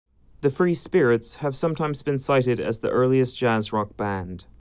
The Free Spirits have sometimes been cited as the earliest jazz-rock band.